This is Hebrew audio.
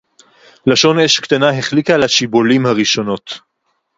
לְשׁוֹן אֵשׁ קְטַנָה הֶחֱלִיקָה עַל הַשִּׁבֳּלִים הָרִאשׁוֹנוֹת